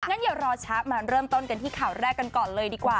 งั้นอย่ารอช้ามาเริ่มต้นกันที่ข่าวแรกกันก่อนเลยดีกว่า